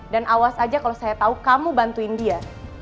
dan awas aja kalau saya tau kamu bantuin dia